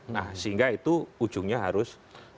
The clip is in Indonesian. nah sehingga itu ujungnya harus di pengadilan